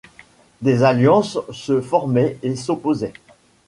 Des alliances se formaient et s'opposaient.